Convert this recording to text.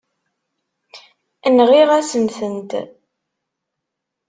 Nɣiɣ-asen-tent.